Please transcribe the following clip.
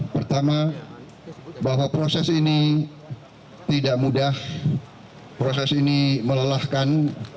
pertama bahwa proses ini tidak mudah proses ini melelahkan